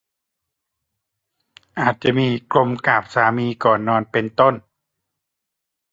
อาจจะมี "กรมกราบสามีก่อนนอน" เป็นต้น